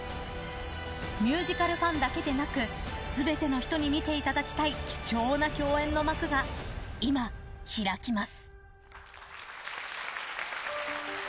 ミュージカルファンだけでなく全ての人に見ていただきたい貴重な共演の幕が今、開きます。